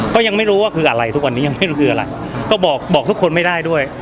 ก็ยังไม่รู้ว่าคืออะไรทุกวันนี้ยังไม่รู้คืออะไรก็บอกบอกทุกคนไม่ได้ด้วย